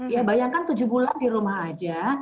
ya bayangkan tujuh bulan di rumah aja